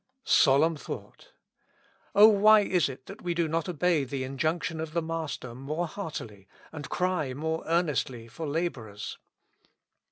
Solemn thought ! O why is it that we do not obey the injunction of the Master more heartily, and cry more earnestly for laborers